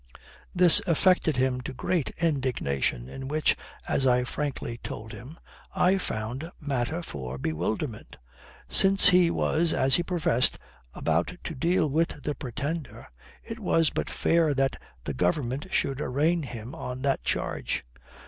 This affected him to great indignation, in which, as I frankly told him, I found matter for bewilderment. Since he was, as he professed, about to deal with the Pretender, it was but fair that the Government should arraign him on that charge.